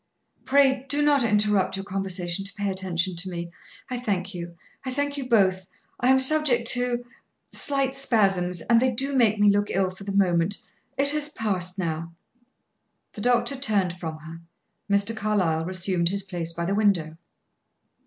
"Pray do not interrupt your conversation to pay attention to me! I thank you; I thank you both. I am subject to slight spasms, and they do make me look ill for the moment. It has passed now." The doctor turned from her; Mr. Carlyle resumed his place by the window.